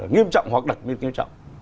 nghiêm trọng hoặc đặc nghiệp nghiêm trọng